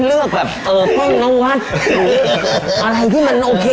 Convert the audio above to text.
เฮ้ยเป็นอะไรที่มันโอเค